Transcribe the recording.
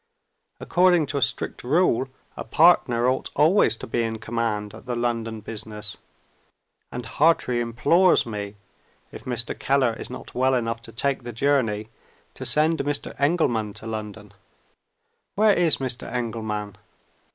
According to strict rule, a partner ought always to be in command, at the London business and Hartrey implores me (if Mr. Keller is not well enough to take the journey) to send Mr. Engelman to London. Where is Mr. Engelman?